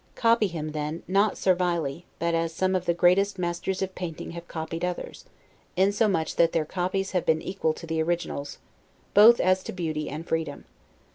Copy him, then, not servilely, but as some of the greatest masters of painting have copied others; insomuch that their copies have been equal to the originals, both as to beauty and freedom.